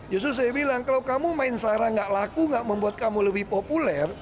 justru saya bilang kalau kamu main sarah gak laku gak membuat kamu lebih populer